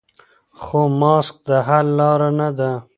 خو ماسک د حل لاره نه ده.